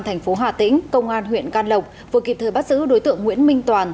thành phố hà tĩnh công an huyện can lộc vừa kịp thời bắt giữ đối tượng nguyễn minh toàn